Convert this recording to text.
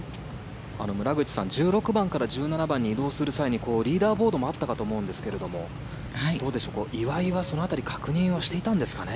村口さん１６番から１７番に移動する際にリーダーボードもあったかと思うんですがどうでしょう岩井はその辺り確認していたんですかね？